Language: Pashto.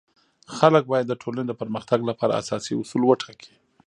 خلک باید د ټولنی د پرمختګ لپاره اساسي اصول وټاکي.